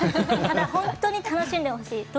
ただ、本当に楽しんでほしい。